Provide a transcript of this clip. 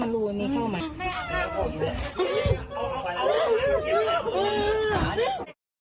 อือตัวเนี้ยมันรู้มันมีข้อมัน